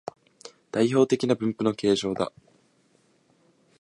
代表的な分布の形状だ